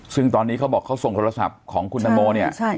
ซึ่งตอนนี้เขาบอกเขาส่งโทรศัพท์ของคุณตังโมเนี่ย